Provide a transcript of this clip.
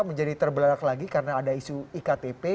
menjadi terbelak lagi karena ada isu iktp